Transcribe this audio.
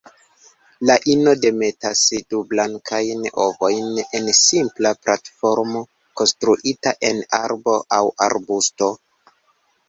La ino demetas du blankajn ovojn en simpla platformo konstruita en arbo aŭ arbusto.